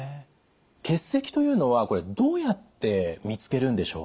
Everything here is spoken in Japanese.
結石というのはこれどうやって見つけるんでしょう？